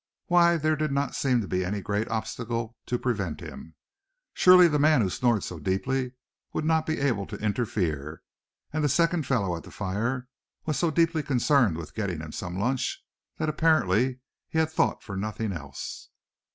Why, there did not seem to be any great obstacle to prevent him. Surely the man who snored so deeply would not be able to interfere; and the second fellow at the fire was so deeply concerned with getting himself some lunch that apparently he had thought for nothing else.